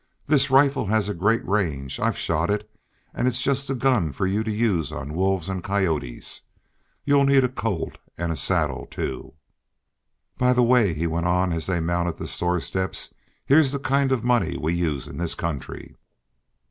This rifle has a great range; I've shot it, and it's just the gun for you to use on wolves and coyotes. You'll need a Colt and a saddle, too." "By the way," he went on, as they mounted the store steps, "here's the kind of money we use in this country."